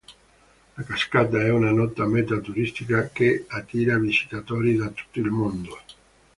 La cascata è una nota meta turistica che attira visitatori da tutto il mondo.